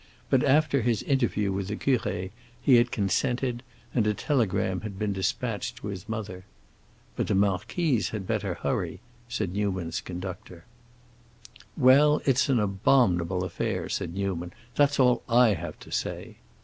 But after his interview with the curé he had consented, and a telegram had been dispatched to his mother. "But the marquise had better hurry!" said Newman's conductor. "Well, it's an abominable affair!" said Newman. "That's all I have to say!"